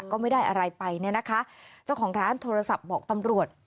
ก็ไม่ได้อะไรไปเนี่ยนะคะเจ้าของร้านโทรศัพท์บอกตำรวจ